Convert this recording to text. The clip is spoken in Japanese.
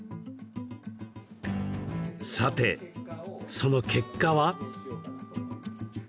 さて、その結果は？